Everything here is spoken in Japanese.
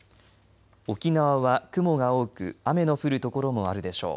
沖縄は雲が多く雨の降る所もあるでしょう。